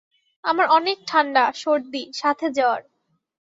আমার অনেক ঠান্ডা, সর্দি সাথে জ্বর।